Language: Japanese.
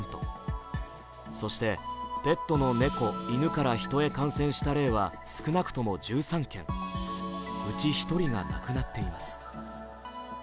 そしてペットの猫、犬からヒトへ感染した例は少なくとも１３件、うち１人が亡くなっています。